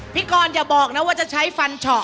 พี่กรอย่าบอกนะว่าจะใช้ฟันเฉาะ